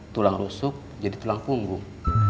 tulang rusuk jadi tulang punggung